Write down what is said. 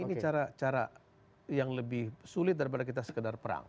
ini cara yang lebih sulit daripada kita sekedar perang